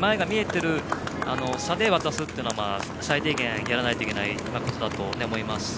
前が見えている差で渡すということは最低限やらないといけないことだと思います。